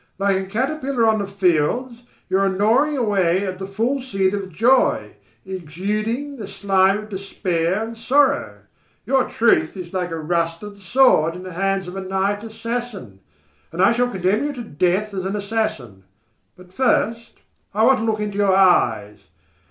Like a caterpillar on the fields, you are gnawing away at the full seed of joy, exuding the slime of despair and sorrow. Your truth is like a rusted sword in the hands of a night assassin, and I shall condemn you to death as an assassin. But first I want to look into your eyes.